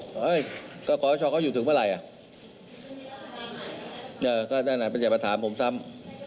เฮ้ยก็ขอให้ช่องเขาอยู่ถึงเมื่อไหร่อ่ะเออก็ได้หน่อยไม่ใช่มาถามผมซ้ำ